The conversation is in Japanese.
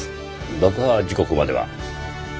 爆破時刻までは？